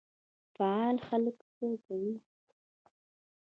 فعال خلک څه کوي؟